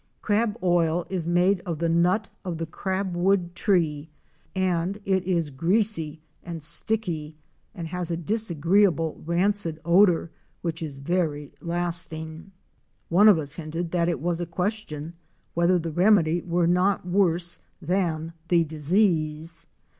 Crab oil is made of the nut of the crab wood tree and it is greasy and sticky and has a disagreeable, rancid odor, which is very lasting. One of us hinted that it was a question whether the remedy were not worse than the disease.